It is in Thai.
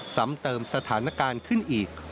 ซ้ำเติมสถานการณ์ขึ้นอีก